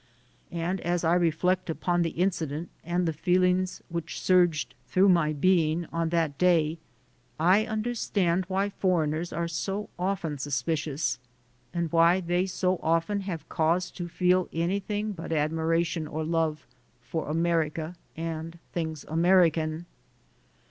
And as I reflect upon the incident and the feelings which surged through my being on that day, I understand why "foreigners" are so often suspicious, and why they so often have cause to feel anything but admiration or love for America and things American.